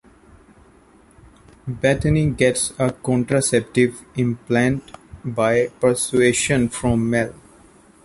Bethany gets a contraceptive implant by persuasion from Mel.